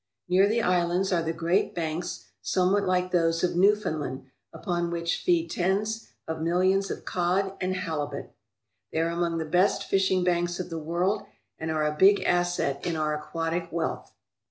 Near the islands are the great banks, somewhat like those of Newfoundland, upon which feed tens of millions of cod and halibut. They are among the best fishing banks of the world and are a big asset in our aquatic wealth.